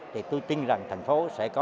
thì tôi tin rằng thành phố sẽ có